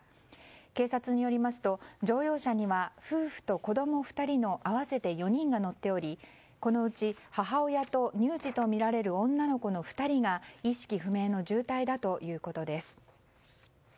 警察によりますと乗用車には夫婦と子供２人の合わせて４人が乗っておりこのうち母親と乳児とみられる女の子の２人が意識不明の重体だということです。